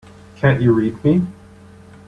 Can't you read me?